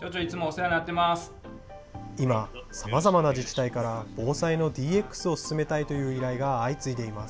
今、さまざまな自治体から防災のＤＸを進めたいという依頼が相次いでいます。